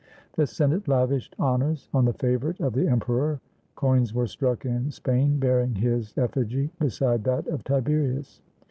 The Senate lavished honors on the favorite of the emperor; coins were struck in Spain bearing his effigy beside that of Tiberius.